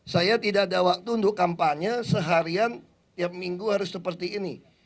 saya tidak ada waktu untuk kampanye seharian tiap minggu harus seperti ini